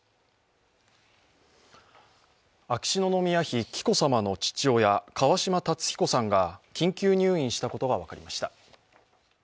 秋篠宮妃・紀子さまの父親、川嶋辰彦さんが緊急入院したことが分かりました。